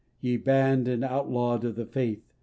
Ye banned and outlawed of the faith